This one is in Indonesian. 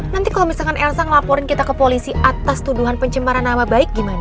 nanti kalau misalkan elsa ngelaporin kita ke polisi atas tuduhan pencemaran nama baik gimana